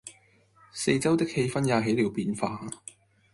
四周的氣氛也起了變化